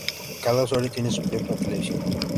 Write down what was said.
Cada usuario tiene su propia televisión.